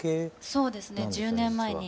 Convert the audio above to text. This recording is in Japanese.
そうですね１０年前に。